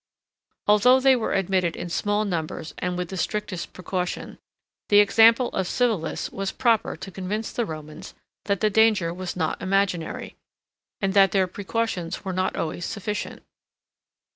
Although they were admitted in small numbers and with the strictest precaution, the example of Civilis was proper to convince the Romans, that the danger was not imaginary, and that their precautions were not always sufficient.